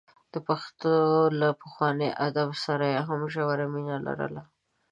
د پښتو له پخواني ادب سره یې هم ژوره مینه لرله.